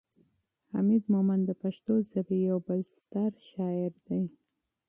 حمید مومند د پښتو ژبې یو بل ستر شاعر دی.